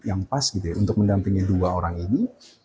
yang pas gitu ya untuk mendampingi dua orang ini